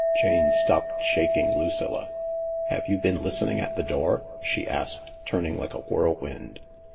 Jane stopped shaking Lucilla. " Have you been listening at the door ?" she asked, turning like a whirlwind.